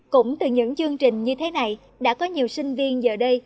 cũng từ những chương trình như thế này đã có nhiều sinh viên giờ đây